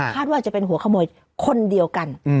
ว่าจะเป็นหัวขโมยคนเดียวกัน